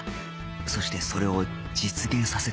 そしてそれを実現させている